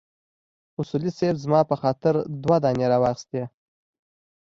اصولي صیب زما په خاطر دوه دانې راواخيستې.